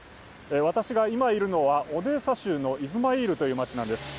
私が今いるのは、オデーサ州のイズマイール市というところなんです。